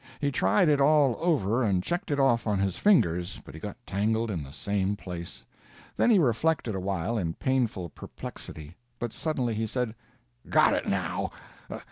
He tried it all over, and checked it off on his fingers. But he got tangled in the same place. Then he reflected awhile in painful perplexity, but suddenly he said: "Got it now!